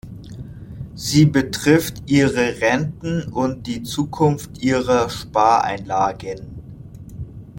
Sie betrifft ihre Renten und die Zukunft ihrer Spareinlagen.